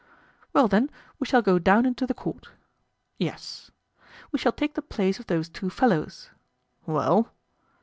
"Well, then, we shall go down into the court." "Yes." "We shall take the place of those two fellows." "Well?"